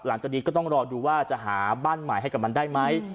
หลังจากนี้ก็ต้องรอดูว่าจะหาบ้านใหม่ให้กับมันได้ไหม